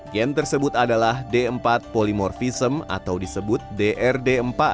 gen tersebut adalah d empat polimorfism atau disebut drd empat